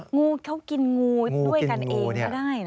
งูเขากินงูด้วยกันเองก็ได้นะ